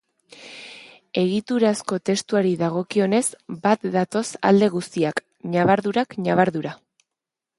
Egiturazko testuari dagokionez, bat datoz alde guztiak, ñabardurak ñabardura.